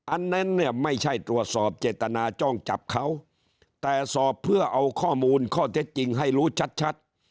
อันนั้นเนี่ยไม่ใช่ตรวจสอบเจตนาจ้องจับเขาแต่สอบเพื่อเอาข้อมูลข้อเท็จจริงให้รู้ชัด